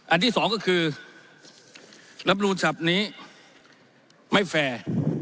อันที่สองก็คือรำรูชัพนี้ไม่แฟร์